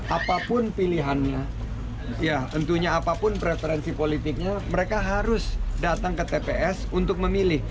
apapun pilihannya ya tentunya apapun preferensi politiknya mereka harus datang ke tps untuk memilih